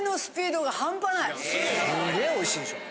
すげえおいしいでしょ。